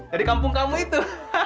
dari kampung kamu itu